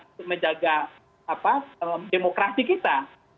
untuk menjaga demokrasi kita